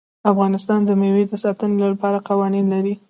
افغانستان د مېوې د ساتنې لپاره قوانین لري.